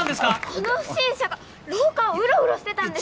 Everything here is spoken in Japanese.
この不審者が廊下をウロウロしてたんです